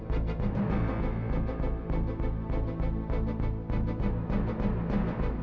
bagaimana membaginya akhir secara visual